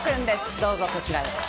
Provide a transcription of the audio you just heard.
どうぞこちらへ。